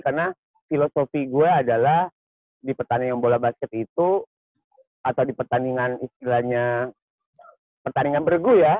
karena filosofi gue adalah di pertandingan bola basket itu atau di pertandingan istilahnya pertandingan bergu ya